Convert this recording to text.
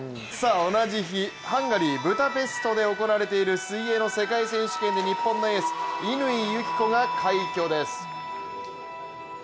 同じ日、ハンガリーブダペストで行われている水泳の世界選手権で日本のエース・乾友紀子が快挙です。